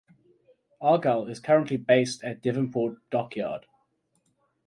"Argyll" is currently based at Devonport Dockyard.